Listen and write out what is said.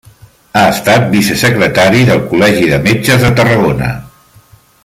Ha estat vicesecretari del Col·legi de Metges de Tarragona.